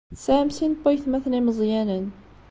Tesɛam sin n waytmaten imeẓyanen.